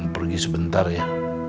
pergi sebentar ya